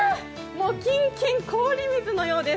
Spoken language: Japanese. キンキン、氷水のようです。